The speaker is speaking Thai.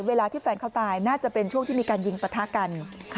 เวลาที่แฟนเขาตายน่าจะเป็นช่วงที่มีการยิงปะทะกัน